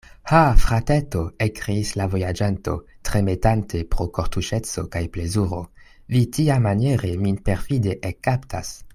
Ha! frateto, ekkriis la vojaĝanto, tremetante pro kortuŝeco kaj plezuro; vi tiamaniere min perfide ekkaptas!